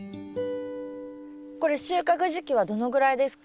これ収穫時期はどのぐらいですか？